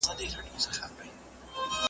چي په شا یې د عیبونو ډک خورجین دی `